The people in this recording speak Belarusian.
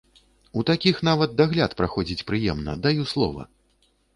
У такіх нават дагляд праходзіць прыемна, даю слова!